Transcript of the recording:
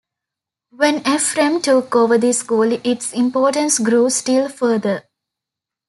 When Ephrem took over the school, its importance grew still further.